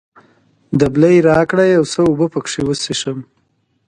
دبلی راکړه، یو څه اوبه پکښې وڅښم.